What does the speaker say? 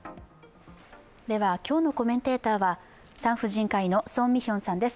今日のコメンテーターは、産婦人科医の宋美玄さんです。